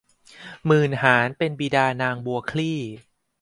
หมื่นหาญเป็นบิดานางบัวคลี่